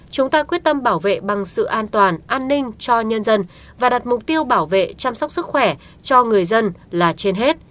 chúng ta quyết tâm bảo vệ bằng sự an toàn an ninh cho nhân dân và đặt mục tiêu bảo vệ chăm sóc sức khỏe cho người dân là trên hết